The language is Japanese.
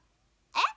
えっ！